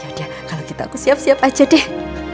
yaudah kalau kita aku siap siap aja deh